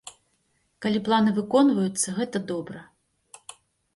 Калі планы выконваюцца, гэта добра.